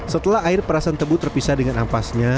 setelah air perasan tebu terpisah dengan ampasnya